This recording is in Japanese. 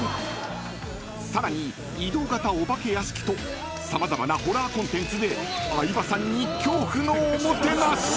［さらに移動型お化け屋敷と様々なホラーコンテンツで相葉さんに恐怖のおもてなし］